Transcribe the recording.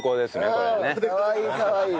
かわいいかわいい。